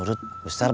ini udah berapa ini